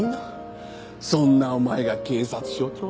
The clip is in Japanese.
そんなお前が警察署長とはな。